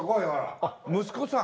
あっ息子さん？